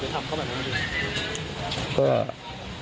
ทำไมเราต้องไปทำเขาแบบนั้นไม่ได้